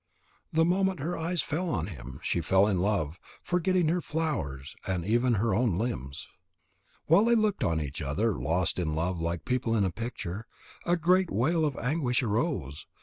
The moment her eyes fell on him, she fell in love, forgetting her flowers and even her own limbs. While they looked at each other, lost in love like people in a picture, a great wail of anguish arose.